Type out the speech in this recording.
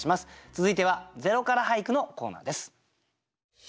続いては「０から俳句」のコーナーです。